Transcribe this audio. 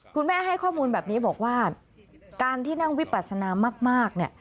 คุณแม่ให้ข้อมูลแบบนี้บอกว่าการที่นั่งวิปัสนามากเนี่ย